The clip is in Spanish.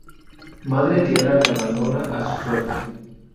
Madre Tierra le abandona a su suerte.